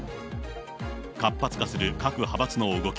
活発化する各派閥の動き。